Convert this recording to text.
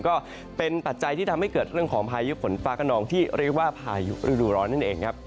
ก็เป็นปัจจัยที่ทำให้เกิดเรื่องของพายุฝนฟ้ากระนองที่เรียกว่าพายุฤดูร้อนนั่นเองครับ